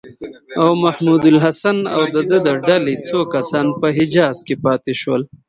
او محمودالحسن او د ده د ډلې څو کسان په حجاز کې پاتې شول.